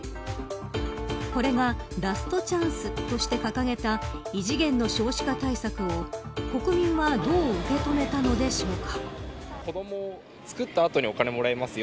これがラストチャンスとして掲げた異次元の少子化対策を国民はどう受け止めたのでしょうか。